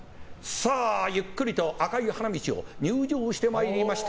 さあゆっくりと赤い花道を入場してまいりました